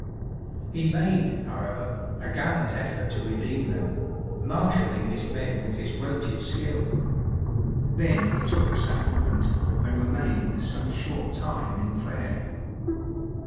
He made, however, a gallant effort to redeem them, marshalling his men with his wonted skill ; then he took the sacrament and remained some short time in prayer.